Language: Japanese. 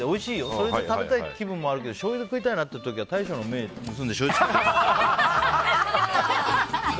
それで食べたい気分もあるけどしょうゆで食べたいなって時は大将の目を盗んでしょうゆつけて食べてる。